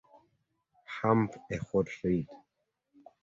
Hump a hot Red.